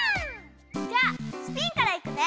じゃあスピンからいくね。